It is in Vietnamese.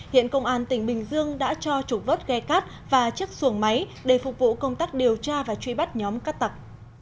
hiện công an tỉnh bình dương đã cho trục vớt ghe cát và chiếc xuồng máy để phục vụ công tác điều tra và truy bắt nhóm cát tặc